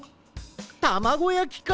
たまごやきか！